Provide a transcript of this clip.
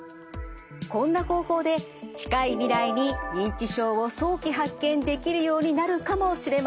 こんな方法で近い未来に認知症を早期発見できるようになるかもしれません。